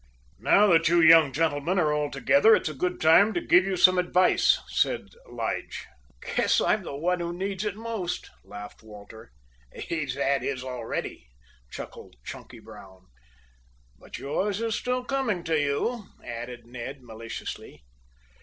"Now that you young gentleman are all together, it's a good time to give you some advice," said Lige. "Guess I'm the one who needs it most," laughed Walter. "He's had his already," chuckled Chunky Brown. "But yours is still coming to you," added Ned maliciously.